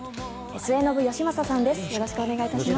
末延吉正さんです。